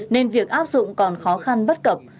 nên việc áp dụng còn khó khăn bất cập